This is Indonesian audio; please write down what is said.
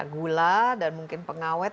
gula dan mungkin pengawet